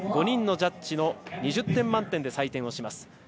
５人のジャッジの２０点満点で採点します。